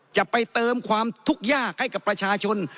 จะไปเติมความทุกข์ยากให้กับประชาชน